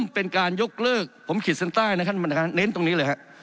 ผมขีดซ้านใต้นะคะเน้นตรงนี้เลย